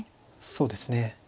そうですね。